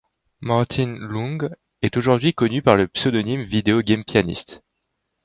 Martin Leung est aujourd'hui connu par le pseudonyme Video Game Pianist.